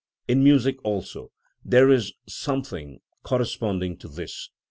In music also there is something corresponding to this.